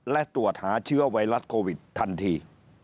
และตรวจหาเชื้อไวรัสโควิดทันที